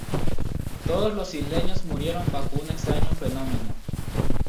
Todos los isleños murieron bajo un extraño fenómeno.